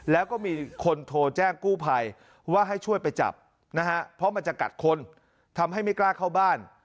แล้วก็มีคนโทรแจ้งกู้ภัยว่าให้ช่วยไปจับนะฮะเพราะมันจะกัดคนทำให้ไม่กล้าเข้าบ้าน